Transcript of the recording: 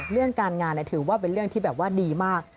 เรื่องการงานถือว่าเป็นเรื่องที่แบบว่าดีมาก